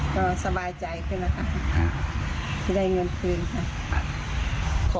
ก็สบายใจขึ้นนะคะให้ได้เงินพื้นค่ะ